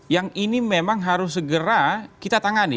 yang ini memang harus segera kita tangani